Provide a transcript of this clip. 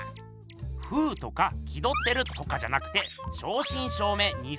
「風」とか「気どってる」とかじゃなくて正しん正めい